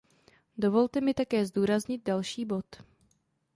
Dovolte mi také zdůraznit další bod.